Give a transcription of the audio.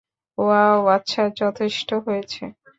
Wow, আচ্ছা, যথেষ্ট হয়েছে।